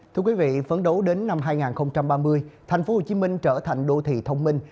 thưa quý vị phấn đấu đến năm hai nghìn ba mươi thành phố hồ chí minh trở thành đô thị thông minh